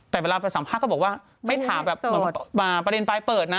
แต่เวลาไปสัมภาษณ์ก็บอกว่าไม่ถามแบบเหมือนประเด็นปลายเปิดนะ